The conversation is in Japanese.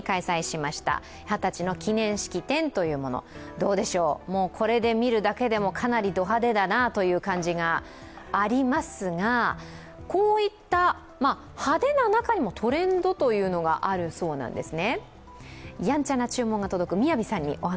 どうでしょう、これで見るだけでもかなりド派手だなという感じがありますが、こういった派手な中にもトレンドいったものがあるそうなんですね。